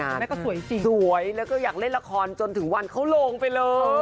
คุณแม่ก็สวยจริงสวยแล้วก็อยากเล่นละครจนถึงวันเขาลงไปเลย